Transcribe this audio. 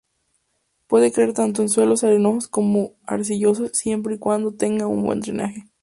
Puede crecer tanto en suelos arenosos como arcillosos siempre y cuando tengan buen drenaje.